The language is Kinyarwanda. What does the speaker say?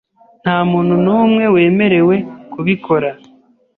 Nta muntu n'umwe wemerewe kubikora .